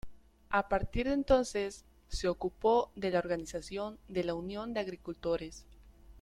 A partir de entonces, se ocupó de la organización de la Unión de Agricultores.